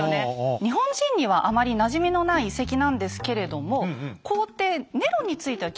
日本人にはあまりなじみのない遺跡なんですけれども皇帝ネロについては聞いたことがありますよね。